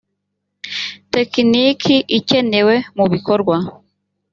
tekiniki ikenewe mu bikorwa